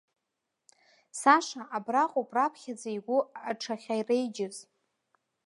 Саша абраҟоуп раԥхьаӡа игәы аҽахьареиџьыз.